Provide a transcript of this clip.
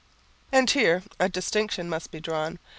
And here a distinction must be drawn.